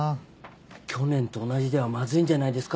去年と同じではマズいんじゃないですか？